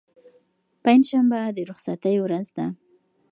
پنجشنبه د رخصتۍ ورځ ده.